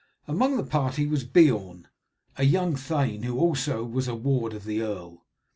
Among the party was Beorn, a young thane, who also was a ward of the earl.